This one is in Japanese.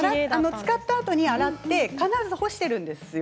使ったあとに洗って必ず干しているんですよ。